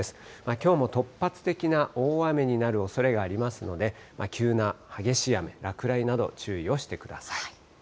きょうも突発的な大雨になるおそれがありますので、急な激しい雨、落雷など、注意をしてください。